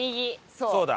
そうだ。